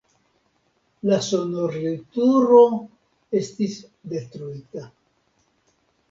La sonorilturo estis detruita.